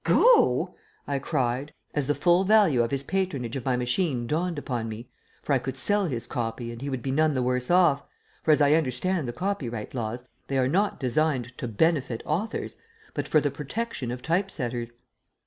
"Go!" I cried, as the full value of his patronage of my machine dawned upon me, for I could sell his copy and he would be none the worse off, for, as I understand the copyright laws, they are not designed to benefit authors, but for the protection of type setters.